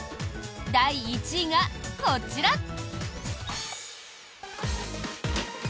第１位がこちら。